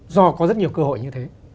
do có rất nhiều cơ hội như thế